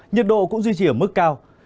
nhiệt độ cũng duy trì ở mức cao